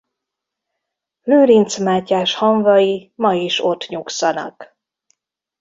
Lőrincz Mátyás hamvai ma is ott nyugszanak.